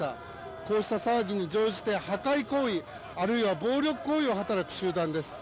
こうした騒ぎに乗じて破壊行為あるいは暴力行為を働く集団です。